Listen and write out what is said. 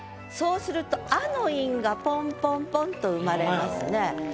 そうすると「あ」の韻がポンポンポンと生まれますね。